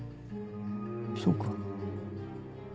そうか。